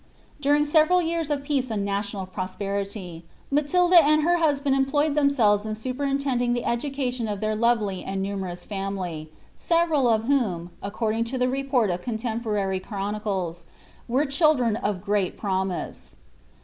During several years of peace and national prosperity, Ma lilila and her husband employed ihemsdves in superintending the educ» lion of their lovely and numerous family ; sevci^ of whom, according i«o the report of contemporary clirouicles, were childreu of great pro nise.